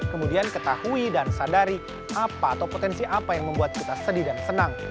kemudian ketahui dan sadari apa atau potensi apa yang membuat kita sedih dan senang